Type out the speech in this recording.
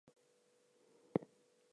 Jesus loves me, this I know.